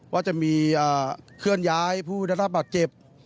ว่าจะมีเคลื่อนย้ายผู้ระดับบาดเจ็บ